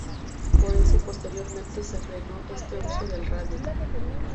Por eso posteriormente se frenó este uso del radio.